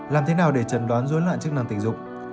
làm thế nào để trần đoán dối loạn chức năng tình dục